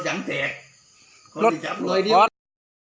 ส่งไปตรงไอ้เดี๋ยวรถยังเศก